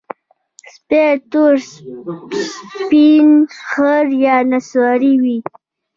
سپي تور، سپین، خړ یا نسواري وي.